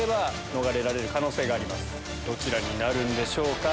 どちらになるんでしょうか。